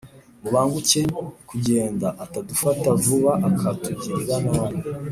Mubanguke kugenda atadufata vuba akatugirira nabi